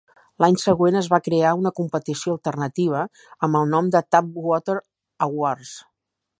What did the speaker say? L'any següent es va crear una competició alternativa, amb el nom de Tap Water Awards.